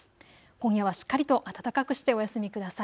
今夜はしっかりと暖かくしてお休みください。